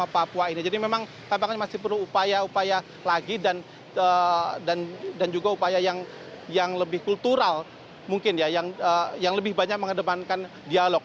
tapi memang masih butuh upaya upaya lagi dan juga upaya yang lebih kultural mungkin ya yang lebih banyak mengedepankan dialog